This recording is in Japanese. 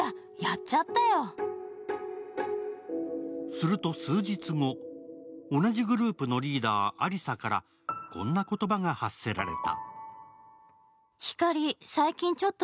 すると数日後、同じグループのリーダー、亜梨沙からこんな言葉が発せられた。